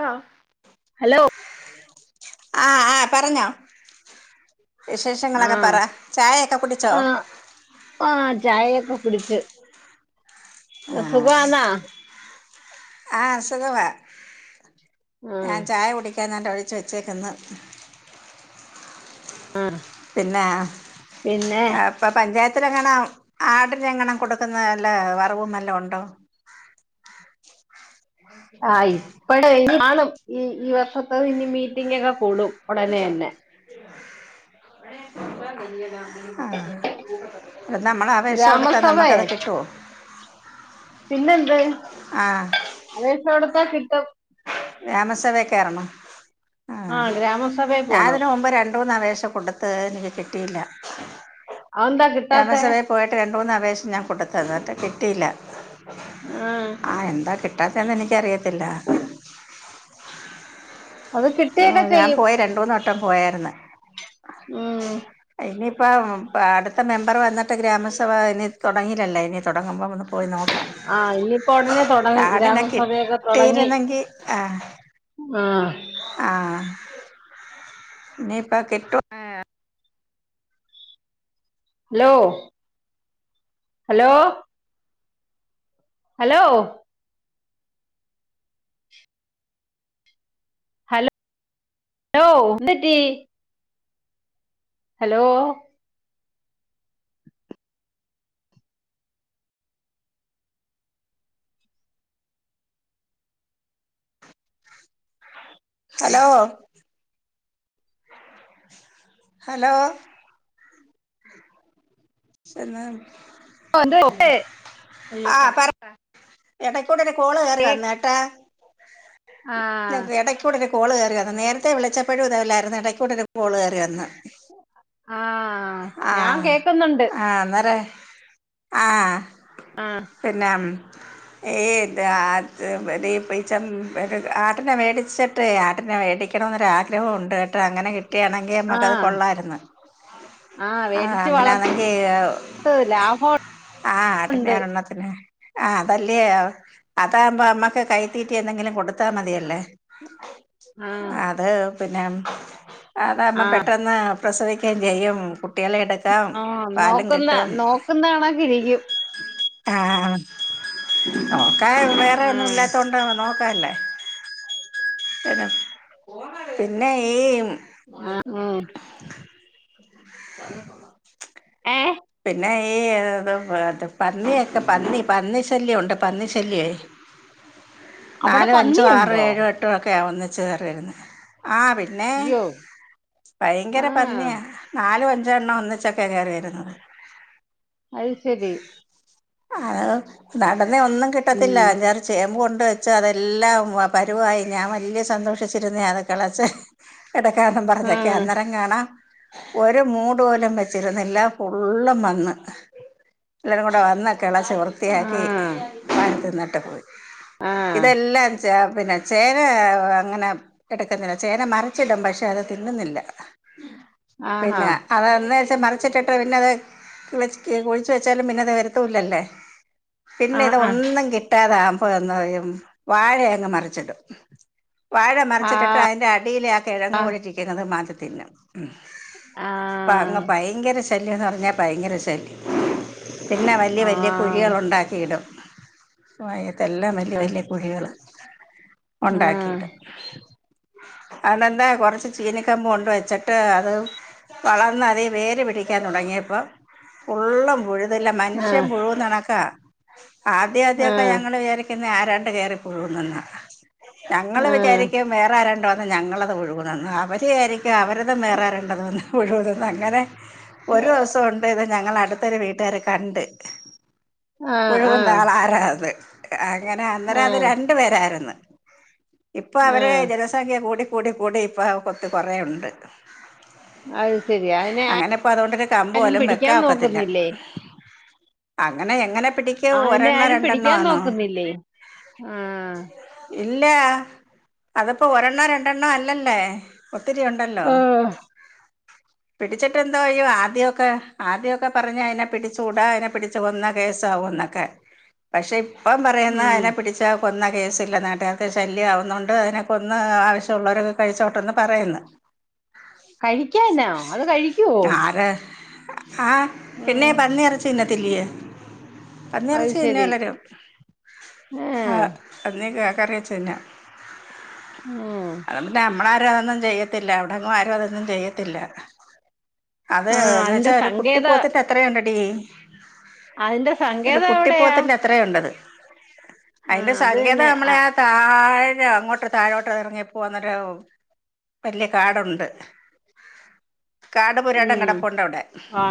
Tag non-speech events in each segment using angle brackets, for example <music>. ആഹ് hello ആഹ് ആഹ് പറഞ്ഞോ വിശേഷങ്ങളൊക്കെ പറ ആഹ് ചായ ഒക്കെ കുടിച്ചോ? ആഹ് ആഹ് ചായ ഒക്കെ കുട്ടിച്ചു ഇ ആഹ് സുഖാന്നാ ആഹ് സുഖവാ ആഹ് ഞാൻ ചായ കുടിക്കാൻ ന്നട്ട ഒഴിച്ചു വെച്ചേക്ക്ന്ന് ആഹ് പിന്നെ പിന്നെ ഇപ്പ പഞ്ചായത്തിലെങ്ങന ആടിനെ എങ്ങണം കൊടുക്കുന്നെ വല്ല വറവും വല്വം ഉണ്ടോ ആഹ് ഇപ്പടെ കാണും. ഈ ഈ വർഷത്ത ഇനി മീറ്റിംങ്ങ് ഒക്കെ കൂടും <unintelligible> ഉടനെ തന്നെ അഹ് നമ്മളെ ആവേശം കൊടുത്താ ഗ്രാമസഭയെ നമുക്കത് കിട്ടോ പിന്നെന്ത് ആഹ് വേഷോടത്താ കിട്ടും. ഗ്രാമ സഭേകേറണം. ആഹ് ഗ്രാമസഭേ ഞാൻ പോണം ഇതിന് മുമ്പ് രണ്ട് മൂന്ന് അപേശ കൊടുത് അത് എനിക്ക് കിട്ടിയില്ല അഎന്താ ഗ്രാമസഭേ പോയിട്ട് രണ്ട് മൂന്ന് അപേശം ഞാൻ കൊടുത്ത എന്ന്ട്ട് കിട്ടിയില്ല. ആഹ്. ആ എന്താ കിട്ടാത്തന്ന് എനിക്കറിയത്തില്ല.. അത് ഓ കിട്ടിയൊക്കെ ഞാൻ ചെയ്യും പോയ രണ്ട് മൂന്നട്ടം പോയാര്ന്ന്. ഉം ഇനിയിപ്പോം പ്പ അടുത്ത മെമ്പർ വന്നിട്ട് ഗ്രാമസഭ ഇനി തൊടങ്ങിയിലല്ലേ ഇനി തൊടങ്ങുമ്പോള്ളു.. ആഹ് ഇനിയിപ്പോ ഒടനെ തൊടങ്ങും കാർഡിനെ ഗ്രാമസഭയൊക്കെ തൊടങ്ങി. കിട്ടിയിരുന്നെങ്കിൽ ആഹ് ആഹ് ഇനിയിപ്പ കിട്ടു. ലോ. ഹലോ. ഹലോഹ്. ഹലൊ ലോ എന്ത്റ്റി.. ഹലോ. ഹലോ. ഹലോ. എന്ത് കേ ആ പർ എടക്. ഇപ്പൊടനെ. കോള് കേറി വന്ന്ട്ടാ. ആഹ് എടയ്ക്കൂടെകെ. കോള് കേറി വര്ന്ന് നേരത്തെ വിളിച്ചപ്പോഴും ഇതെല്ലായിരുന്നു. എടയ്ക്കൂടെകെ കോള് കേറി വന്ന്. ആഹ് ഞാൻ കേക്ക്ന്നുണ്ട്.. ആ. അന്നേരേ. ആഹ്.. ആഹ് പിന്നെ ഉം ഏയ്ത്. ആ. ആത്. വടിം പെ ച്ചം ആട്ടിനെ മേടിച്ച്. ട്ടേ. ആട്ടിനെ മേടിക്കണമെന്നൊരുരാഗ്രഹോണ്ട് കേട്ട അങ്ങനെ കിട്ടിയാണെങ്കി നമക്കത് ആഹ് കൊള്ളാര്ന്നു.. ആഹ്. വേടിച്ച് വളർത്ത് അങ്ങനാന്നെങ്കി ഹെവു. ലാഭമുണ്ട് ആഹ് ആട്ടിനാ ഇള്ളത്.. ആഹ് അതെല്ലേ ആ. അതാവുമ്പോ അമ്മക്ക് കൈത്തീറ്റി എന്തെങ്കിലും കൊടുത്താ മതിയല്ലേ. ആഹ് അത്. പിന്നേം. അതാവുമെ ആഹ് പെട്ടന്ന്. പ്രസവിക്കയും ചെയ്യും കുട്ട്യേളെ എട. ആഹ്. നോക്ക്ന്ന നോക്കുന്നണകിരിക്യും.. ആഹ് നോക്കാ വേറെ ഒന്നും ആഹ് ഇല്ലാത്തോണ്ട നോക്കാല്ലേ. പിന്നെ ഈമ്.. ആഹ് ഹു. വാങ്ങിയ കൊള്ള.. എ. പിന്നെ ഈ ഇത്. മറ്റ്. പന്നിയൊക്കെ പന്നി പന്നിശല്യം ഉണ്ട് പന്നിശല്യേ. അവിടെ നാലോ. അഞ്ചോ. ആറോ. പന്നിയുണ്ടോ ഏഴൊ. എട്ട്. ട്ടൊക്കെയ ഒന്നിച്ച് കേറിരുന്നേ. ആപി. പിന്നെയെ. അയ്യോ ബയങ്കര ആഹ് പന്നിയാ. നാലോ അഞ്ചോ. എണ്ണം ഒന്നിച്ചക്കെ കേറി വരുന്നത്.. അഹ്. ശരി.. അഹ്. നടന്ന ഒന്നും കിട്ടത്തില്ല ഉം അഞ്ചാറ് ചേബുണ്ട്.. ചെ. അതെല്ലാം പരുവായി ഞാൻ വല്ല്യ സന്തോഷിച്ചിരുന്നേ അതകളച്ച്. ഇിടക്കണും പറച്ചൊക്കെ ആഹ് അന്നേരം കാണാം ഒരു മൂട് വൊലും വെച്ചിരുന്നില്ല. ഫുള്ളും വന്ന് എല്ലാകുടെ വന്ന കിളച്ച് വൃത്തിയാക്കി.. ആഹ് പല. ന്നട്ട് പോയി ആഹ് ഇതെല്ലാം.. ചേ പിന്നെ ചേന അങ്ങനെ എടുക്കുന്നില്ല ചേന മറിച്ചിടും. പഷേ അത് തിന്നുന്നില്ല. ആഹാ പിന്നെ അതന്നച്ച മറിച്ചിട്ട്. പിന്നത്. തുടച്. കിഴി. കുയിച്ച് വെച്ചാലും പിന്നെത് വരുത്തുല്ലല്ലേ.. പിന്നെ ഇത്. ആഹ് ഒന്നും കിട്ടാതാവുമ്പോഴൊയ്യുന്നു വാഴ അങ്ങ് മറിച്ചിടും.. വാഴ മറച്ചിട്ടിട്ട് ആഹ് അതിന്റെ അടിയിലേ ആകിഴങ്ങൊലിരികുന്നത്. മാന്തിതിന്നും.. ഹും. ആഹ് പ്പ അങ്‌ പയങ്കര ശല്യന്ന് പറഞ്ഞാ ഭയങ്കര ശല്യം.. പിന്നെ വല്ല്യ ആഹ് വല്ല്യ ആഹ് കുഴികള് ഉണ്ടാകിയിടും.. വയതെല്ലാം വല്ല്യ വല്യ കുഴികള് ആഹ് ഉണ്ടാക്കിടും... അതെന്താ കൊർച്ച് ചീനകമ്പ് കൊണ്ട് വെച്ച്ട്ട് അത്. വളർന്നലെ വേര് പിടിക് ക്കാൻ തുടങ്ങിയപ്പോ ഫുള്ളും പുഴുതില്ല ആഹ് മനുഷ്യൻ പുഴുവന്ന്ണക്കാ. ആദ്യ ആ ആദ്യക്കെ ഞങ്ങള് വിചാരിക്കുന്നെ ആരാണ്ട് കേയറിപ്പോവ്ന്നെന്നാ. ഞങ്ങള് ആ വിചാരിക്കും വേറെ ആരണ്ടോന്ന് ഞങ്ങളത് ഒഴുകുന്നെന്ന് അവര് വിയാരിക്. ആഹ് അവരത് മിറാറുണ്ടത് വന്നപ്പോഴും തന്ന് അങ്ങനെ ഒരോസംണ്ട്. ട്ട് ഇത് ഞങ്ങളട്ത്തൊരു വീട്ടുകാര് കണ്ട് ആ ആ മുഴുവൻ ന്നാളാരാത്? ആഹ് അങ്ങനെ ആ അന്നേരത് രണ്ട് പേരാര്ന്ന് ആ ഇപ്പൊവര് ജനസ് താക്കെ കൂടി കൂടി കൂടി ഇപ്പോ കൊത്ത് കൊറേ ഉണ്ട്. അയ്ശെരി അയ്നെ നാൻ. പറോട്ടന്റെ കമ്പ്പോലും വെക്ക ഒക്കത്തില്ല അങ്ങനെ എങ്ങനെ പിടിക് അയിനെ ആരും പിടിക്കാൻ നോക്കുന്നില്ലേ ആഹ്. ഇല്ല അത്പ്പോ ഒരെണ്ണ രണ്ടെണ്ണ അല്ലല്ലേ. ഒത്തിരി ഒണ്ടല്ലോ ഓ പിടിച്ചിട്ടെന്ത്--‌ ന്തോയ്യും ആദ്യക്കെ ആദ്യക്കെ പറഞ്ഞ് അയിനെ പിടിചൂടാ അയിനെ പിടിച്ച് കൊന്ന കേസാവുംന്നൊക്കെ. പഷെ ഇപ്പം പറയുന്നെ ഉം അയിനെ പിടിച്ച. കൊന്ന കേസില്ല നാട്ടുകാർക്ക് ശല്യംമാവുന്നുണ്ട് അതിനെ കൊന്ന് ആവശ്യമുള്ളവരൊക്കെ കഴിച്ചോട്ടന്ന് പറയുന്ന്. കഴിക്കനൊ അത് കഴി ആര ആഹ് പിന്നെ ഉം പന്നിയിറച്ചി തിന്നത്തില്ലെയ്. അത് പന്നിയിറച്ചി ശരി തിന്യല്ലരും ആ ആഹ്. പന്നിയൊക്കെ കറിയച്ചിനാ. ഉം. അയും പിന്നെ നമ്മളാരും അതൊന്നും ചെയ്യത്തില്ല അവടെങ്ങും ആരും അതൊന്നും ചെയ്യത്തില്ല. അത് ആ എന്ന് അതിന്റെ വെച്ചാ ഒരു കുട്ടി സങ്കേത പോത്തിന്റെത്ത് ത്രയുണ്ട്ടീ അതിന്റെ ഒരു സങ്കേതം എവിടെയാ കുട്ടിപ്പോത്തിന്റെ അത്രയുണ്ടത്. ആ അയിന്റെ അത് സങ്കേതം തന്നെ അമ്മളെ ആ ആഹ്. താഴെ അങ്ങോട്ട് താഴോട്ട് ഇറങ്ങിപ്പോന്നൊരു വല്ല്യകാടുണ്ട്. കാട്പൊരാട് ഉം കെടപ്പണ്ടവിടെ. ആ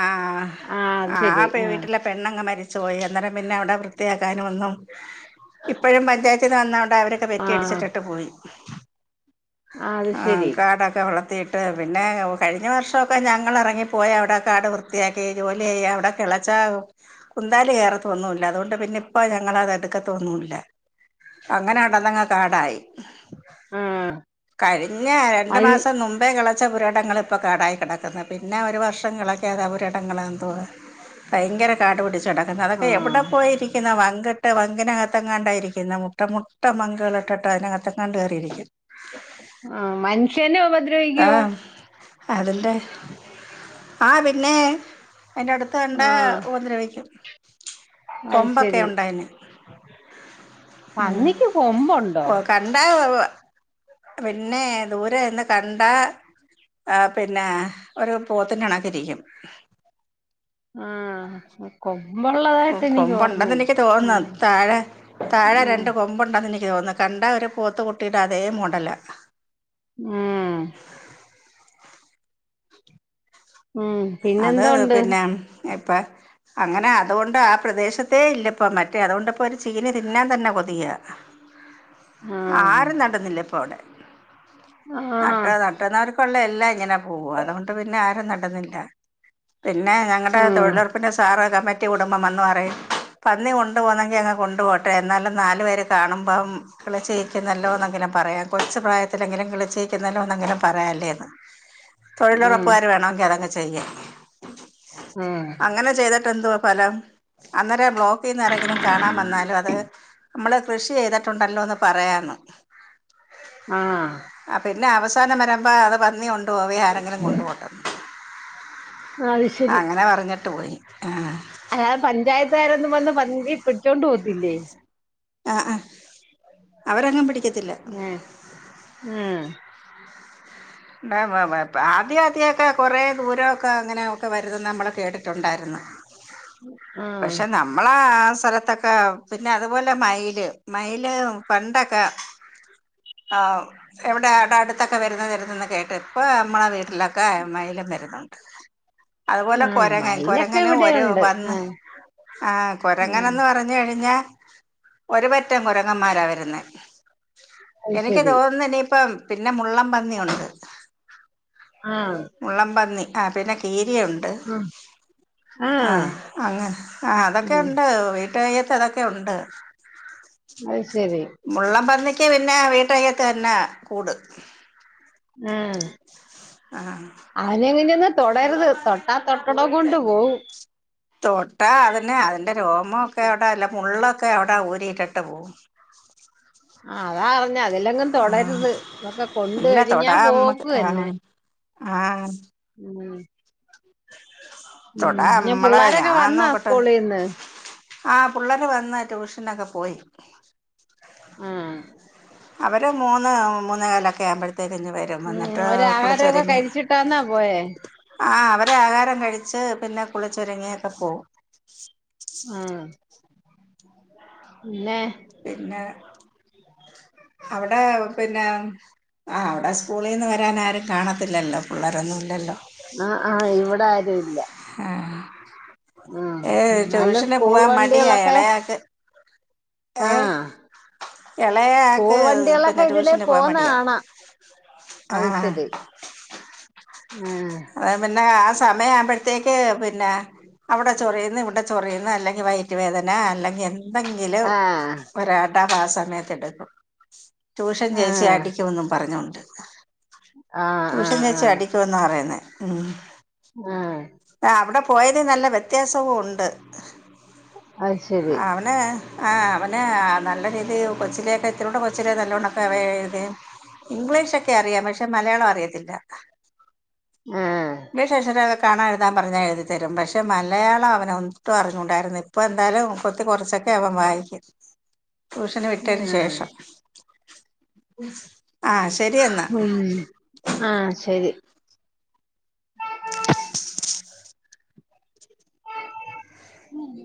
ആഹ് ആ അത് ആഹ് ശരി ആ പെവീട്ടിലെ. പെണ്ണങ്ങ് മരിച്ചു പോയി അന്നേരം പിന്നെ അവ്ടെ വൃത്തിയാക്കാനൊന്നും. ഇപ്പഴും പഞ്ചായത്തിന്ന് വന്നാണ്ട് അവരൊക്കെ ആ പെറ്റി അടിച്ചിട്ടിട്ട് പോയി. ആ, അത് ആഹ് ശരി കാടാക്കെ വളളം. ട്ട് പിന്നെ കഴിഞ്ഞ വർഷൊക്കെ ഞങ്ങളെറങ്ങിപ്പോയി അവ്ടെ കാട് വൃത്തിയാക്കി ജോലി ചെയ്യ അവ്ടെ. തിളച്ച കുന്താല കേയറത്തൊന്നുല്ല അതുകൊണ്ട് പിന്നെ ഇപ്പ ഞങ്ങളത് എടുക്കത്തൊന്നുല്ല. അങ്ങനെ കെണ്ടന്നങ്ങ് കാടായി ആ കഴിഞ്ഞ രണ്ട് അത് മാസം ന്നും. ഇപേ കെളച്ച പുരടങ്ങൾ ഇപ്പോ കാടായി കെടക്കുന്നെ പിന്നെ ഒരു വർഷം കിളക്കാതെ പുരടങ്ങൾ എന്തുവാ. ഭയങ്കര കാടുപിടച്ച് കെടക്കുന്നെ അതൊക്കെ എവിടെ ആ പോയിരിക്കുന്ന വങ്ക. മുട്ട് വങ്കിനഗത്തെണ്ടായിരിക്കുന്നെ മുട്ട മുട്ട മങ്കഗൾ ഇട്ടട്ട് അതിനകത്തങ്ങാണ്ട് കേറിയിരിക്കുന്നു. ആഹ് മനുഷ്യനൊവൻ ആഹ് അതിന്റെ ആഹ് പിന്നെ അയിന്റെട്ത്ത്. കണ്ടാ ആഹ് ഉപദ്രവിക്കും അത് കൊമ്പൊക്കെ ശരി ഉണ്ടയിന്. ഉം പന്നിക്ക് കൊമ്പുണ്ടോ ഒഹ് കണ്ടാവ്വ. പിന്നെ ദൂരെനിന്ന് കണ്ടാ. ആഹ് പിന്നെ ഒരു പോത്തിന്കണക്കിരിക്കും. ആഹ്. കൊമ്പ്ഹ്. കൊമ്പു ഉണ്ടെന്ന് എനിക്ക് തോന്ന്ന്നെ താഴെതാഴെ ആഹ് രണ്ട് കൊ മ്പുണ്ടെന്ന് എനിക്ക് തോന്നുന്നെകണ്ടാ ഒരു പോത്ത് കുട്ടിയുടെ അതേ മോഡല. ഉം ഉം പിന്നെന്തോ ഉണ്ട്? എപ്പ അങ്ങന അതോണ്ടാ ആ പ്രദേശത്തേ ഇല്ലപ്പം മറ്റേ അതുകൊണ്ട- പ്പൊരു ചീന തിന്നാൻ തന്നെ കൊതിയ ആഹ് ആരും നടന്നില്ല ഇപ്പൊ അവിടെ. ആഹ് നട്ടോ നട്ടൊന്നവർക്കൊള്ള എല്ലാം ഇങ്ങന പോവും അതുകൊണ്ട് പിന്നെ ആരും നട്ന്നില്ല പിന്നെ ഞങ്ങൾടെ ഉം തൊഴിലൊർപ്പിന്റെ സാറ് കമ്മിറ്റികൂടുബം വന്ന് പറയും പന്നി കൊണ്ടു പോന്നെങ്കി അങ്ങ് കൊണ്ടു പോട്ടെ. ന്നാലും നാലു പേര് കാണുമ്പം. കിളിച്ചിയ്ക്ക്ന്നല്ലോ എന്നെങ്കിലും പറയാം കൊച്ച് പ്രായത്തിലെങ്കിലും കിളിച്ചിയിക്കുന്നല്ലോന്നെങ്കിലും പറയാല്ലേന്ന്. ഉം തൊഴിലൊറപ്പുകാര് വേണോങ്കി അതങ്ങ് ചെയ്യും. ഉം അങ്ങനെ ചെയ്തിട്ട് എന്തുവാ ഭലം. അന്നേരം ബ്ലോക്- റ്റിന്ന് ആരെങ്കിലും കാണാൻ വന്നാലും അത് നമ്മള് കൃഷി ചെയ്തിട്ടുണ്ടല്ലോന്ന് പറയാന്ന്. ആഹ് ആ പിന്നെ അവസാനം വരമ്പാ അത് പന്നി കൊണ്ടുപോവേം ആരെങ്കിലും കൊണ്ടുപോട്ടന്ന്. അത് ശരി അങ്ങനെ പറഞ്ഞിട്ട് പോയി ആഹ് അല്ലാതെ പഞ്ചായത്തുകാരൊന്നും വന്ന് പന്നിയെ പിടിച്ചോണ്ട് പോത്തില്ലേ? ആ ആഹ് അവരങ്ങും പിടിക്കത്തി- ങേ ഉംഹ് ആദ്യ ആദ്യോക്കെ കൊറേ ദൂരൊക്ക അങ്ങനൊക്കെ വര്ന്നെന്ന് നമ്മള് കേട്ടിട്ടൊണ്ടാര്ന്ന്. ആഹ് പഷെ നം- മ്മളാസ്ഥലത്തൊക്ക പിന്ന അതുപോലെ മയില് മയില് പണ്ടെക്ക. ആ എവിടെ ആടെ അടുത്തൊക്കെ വരുന്ന് വരുന്നൊക്- ക്കെ കേട്ട് ഇപ്പ നമ്മള വീട്ടിലൊക്കെ മയിലും വരുന്നൊണ്ട്. അതുപോലെ ആഹ് കൊരങ്ങൻ മയിലൊക്കെ കൊരങ്ങന് ഒരു ഇവിടെയുണ്ട് വന്ന് ആഹ് ആ ആഹ് കൊരങ്ങനന്ന് പറ- ഞ്ഞഴിഞ്ഞാ ഒരുപറ്റം കുരങ്ങന്മാരാ വര്ന്നേ. അത് എനിക്ക് ശരി തോന്ന്ന്നിപ്പം പിന്നെ മുള്ളം പന്നിയൊണ്ട്. ആ മുള്ളം പന്നി ആ പിന്നെ കീരിയൊ- ണ്ട്. ആഹ് ആഹ് ആഹ് ഉം അതൊക്കയൊണ്ട്. <unintelligible> യത്തതൊക്കെയൊണ്ട്. അത് ശരി മുള്ളം പന്നിക്ക് പിന്നെ വീട്ടകത്ത് തന്നാ കൂട്. ഉംഹ് ആഹ് ആനെങ്ങനാന്ന്? മുള്ളം പന്നിന്ന് വന്നാ പോവും <unintelligible> തൊട്ടാ അതിന് അതിന്റെ രോമൊക്കവിട അല്ല മുള്ളൊക്കെ അവിടെ ഊരി ഇട്ടട്ട് പോവും. ആ അതാർഞ്ഞ അതിലെങ്ങും തൊടര്ത് അതൊക്കെ കൊണ്ടഴിഞ്ഞാ പോക്ന്നേ. ആഹ് ഉംഹ് തൊടാ പിന്നെ ഞമ്മ്ളെ പുള്ളാരൊക്കെ ഞാൻ വന്നാ നോക്കട്ടെ സ്കൂളീന്ന് ആ പിള്ളര് വന്ന് ട്യൂഷനൊക്ക പോയി. ആഹ് അവര് മൂന്ന് മൂനേകാലൊക്കെ ആവുമ്പോഴ്ത്തേക്ക് ഇങ് വരും. ഉം വന്നിട്ട് അവര് ആഹാരമൊക്കെ കുളിച്ചൊര്ങ്ങി. കഴിച്ചിട്ടാന്നാ പോയേ ആ അവര് ആഹാരം കഴിച്ച് പിന്നെ കുളിച്ചൊരങ്ങിയൊക്കെ പോവും. ആഹ് പിന്നെ പിന്നേ അവ്ടേ പിന്നേ ആ അവിടെ സ്കൂളീന്ന് വരാൻ ആരും കാണത്തില്ലല്ലോ പിള്ളേരൊന്നുല്ലല്ലോ ആ ആ ഇവിടെ ആരു ഇല്ല ആ ആഹ് ഏ എന്നാലും ട്യൂഷന് സ്കൂൾ പോവാൻ മടിയാ വണ്ടികളൊക്കെ എളയാക്ക് ഏയ് ആഹ് എളയ സ്കൂൾ ആക്ക് വണ്ടികളൊക്കെ പിന്നെ ഇതിലേ ടൂഷന് പോവാൻ പോന്ന മടിയാ കാണാം അത് ആഹ് ശരി ആഹ് പിന്നെ ആ സമയം ആവുമ്പോഴത്തേക്ക് പിന്നെ അവിടെ ചൊറിയ്ന്ന് ഇവിടെ ചൊറിയ്ന്ന് അല്ലെങ്കി വയറ്റ് വേദന അല്ലെങ്കിൽ എന്തെങ്കിലും ആഹ് ഒരടവാ ആ സമയത്ത് എടുക്കും ട്യൂഷൻ ചേച്ചി ആഹ് അടിക്കുന്നും പറഞ്ഞോണ്ട് ആഹ് ട്യൂഷൻ ആഹ് ചേച്ചി ആഹ് അടിക്കുന്ന പറയുന്നേ ഉം ആഹ് ആ അവിടെ പോയത് നല്ല വ്യത്യാസവും ഉണ്ട് അത് ശരി ന് ആ അവന് നല്ല രീതി കൊച്ചിലേക്കെ എത്തിരൂടെ കൊച്ചില് നല്ലോണ്ണക്കെ അവ ഇത് ഇംഗ്ലീഷൊക്കെ അറിയാം പക്ഷെ മലയാളം അറിയത്തില്ല ആഹ് ഇംഗ്ലീഷ് അക്ഷരങ്ങളൊകെ കാണാൻ എഴുതാൻ പറഞ്ഞാൽ എഴുതിത്തരും പക്ഷേ മലയാളം അവനെ ഒട്ടും അറിഞ്ഞൂടായിരുന്നു ഇപ്പോൾ എന്തായാലും കുത്തി കുറച്ചൊക്കെ അവൻ വായിക്കും ട്യൂഷന് വിട്ടതിന് ആഹ് ശേഷം ആഹ് ഉം ആഹ് ശരി ഉം